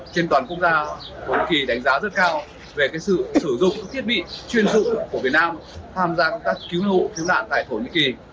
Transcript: trên toàn quốc gia vốn kỳ đánh giá rất cao về sự sử dụng thiết bị chuyên dự của việt nam tham gia công tác cứu nạn hộ tại thổ nhĩ kỳ